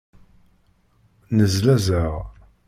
Nnezlazeɣ.